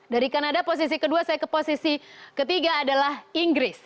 dari kanada posisi kedua saya ke posisi ketiga adalah inggris